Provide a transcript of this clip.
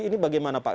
ini bagaimana pak